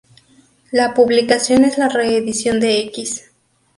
La publicación es la reedición de "Equis.